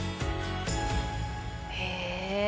へえ。